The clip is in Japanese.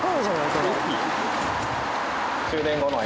これ。